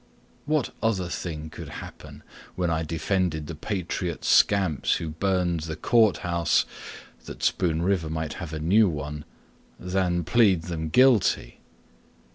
What other thing could happen when I defended The patriot scamps who burned the court house That Spoon River might have a new one Than plead them guilty?